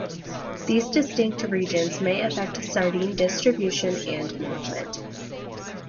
These distinct regions may affect sardine distribution and movement.